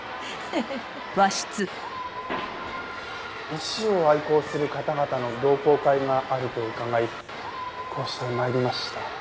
石を愛好する方々の同好会があると伺いこうして参りました。